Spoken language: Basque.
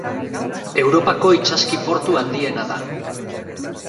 Europako itsaski portu handiena da.